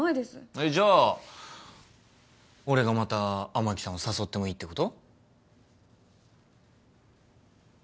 えっじゃあ俺がまた雨樹さんを誘ってもいいってこと？